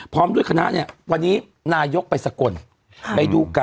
พร้อมด้วยคณะและวันนี้นายกไปไปดู